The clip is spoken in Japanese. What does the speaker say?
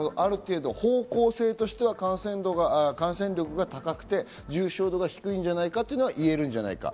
方向性としては感染力が高くて重症度が低いんじゃないかというのは言えるんじゃないかと。